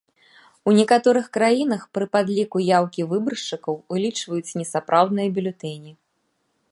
У некаторых краінах пры падліку яўкі выбаршчыкаў улічваюць несапраўдныя бюлетэні.